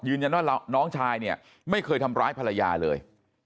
ยืนยังว่าน้องชายไม่เคยทำร้ายภรรยาเลย